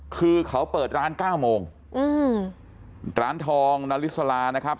คือเขาเปิดร้านเก้าโมงอืมร้านทองนาริสลานะครับ